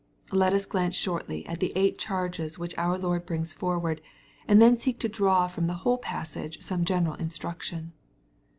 '"* Let us glance shortly at the eight charges which our Lord brings forward, and then seek to draw from the whole passage some general instruction.